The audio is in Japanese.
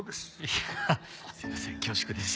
いやすいません恐縮です。